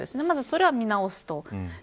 まずそれは見直すと。